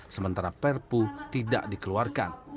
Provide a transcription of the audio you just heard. sementara perpu tidak dikeluarkan